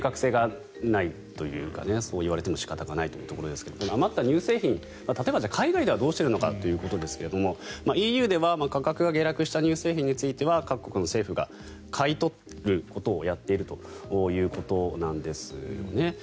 ちょっと計画性がないというかそういわれても仕方がないところだと思いますが余った乳製品例えば、海外ではどうしているのかということですがＥＵでは価格が下落した乳製品は各国の政府が買い取ることをやっているということですね。